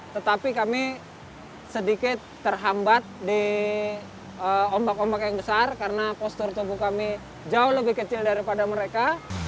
tetapi kami sedikit terhambat di ombak ombak yang besar karena postur tubuh kami jauh lebih kecil daripada mereka